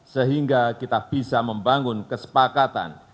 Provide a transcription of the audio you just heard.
sehingga kita bisa membangun kesepakatan